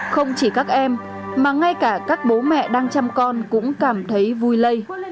không chỉ các em mà ngay cả các bố mẹ đang chăm con cũng cảm thấy vui lây